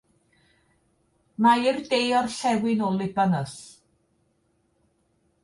Mae i'r de-orllewin o Libanus.